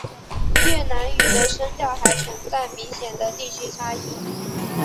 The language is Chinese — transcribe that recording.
越南语的声调还存在明显的地区差异。